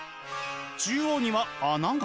中央には穴が。